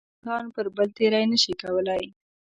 هیڅ انسان پر بل تېرۍ نشي کولای.